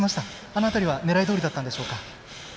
あの辺りは狙いどおりだったんでしょうか？